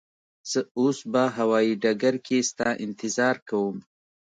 زه اوس به هوایی ډګر کی ستا انتظار کوم.